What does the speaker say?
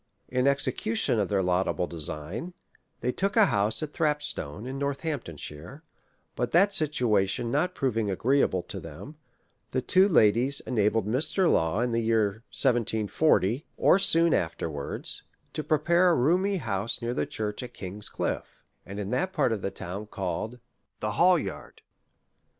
In execution of their laudable design, they took a house at Thrapstone, in Northamptonshire; but that situation not proving agreeable to them, the two la dies enabled Mr. Law, in the year 1740, or soon af a4 Vlll SOME ACCOUNT OP terwards, to prepare a roomy house near the church at King's ChfFe, and in that part of the town called '' The Hall Yard."